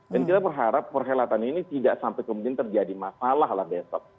dan kita berharap perhelatan ini tidak sampai kemudian terjadi masalah lah besok